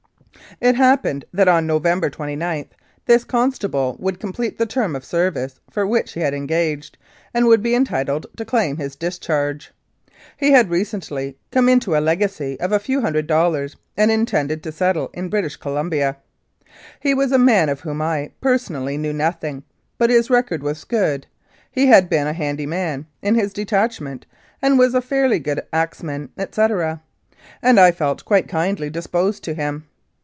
It happened that on November 29 this constable would complete the term of service for which he had engaged, and would be entitled to claim his discharge. He had recently come into a legacy of a few hundred dollars, and intended to settle in British Columbia. He was a man of whom I, personally, knew nothing, but his record was good; he had been a handy man in his detachment, and was a fairly good axe man, etc., and I felt quite kindly disposed to him.